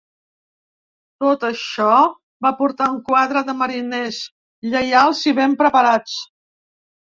Tot això va portar un quadre de mariners lleials i ben preparats.